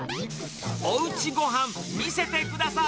おうちごはん見せてください。